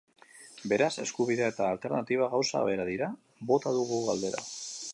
Beraz, eskubidea eta alternatiba gauza bera dira?, bota dugu galdera.